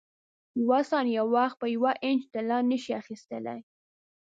یوه ثانیه وخت په یوې انچه طلا نه شې اخیستلای.